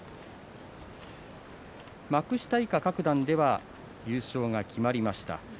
幕下以下各段では優勝が決まりました。